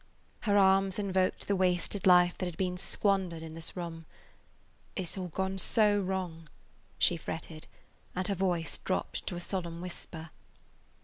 Her arms invoked the wasted life that had been squandered in this room. "It 's all gone so wrong," she fretted, and her voice dropped to a solemn whisper.